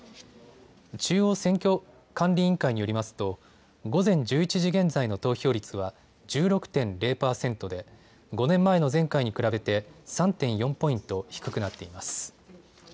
中央選挙管理委員会によりますと午前１１時現在の投票率は１６．０％で５年前の前回に比べて３．４ポイント低くなっています。